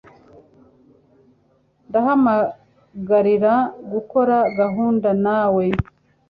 Ndahamagarira gukora gahunda nawe.